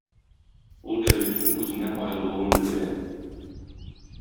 ул дәрвишнең "үзеннән аерылуын" белдерә.